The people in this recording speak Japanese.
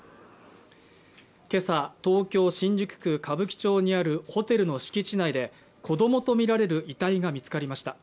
今朝、東京・新宿区歌舞伎町にあるホテルの敷地内で、子供とみられる遺体が見つかりました。